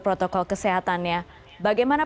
protokol kesehatannya bagaimana